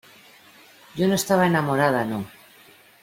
yo no estaba enamorada. no .